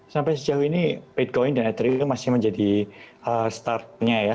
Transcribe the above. sampai sejauh ini bitcoin dan etry masih menjadi startnya ya